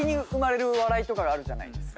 あるじゃないですか。